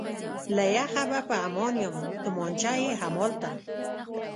له یخه به په امان یم، تومانچه یې همالته.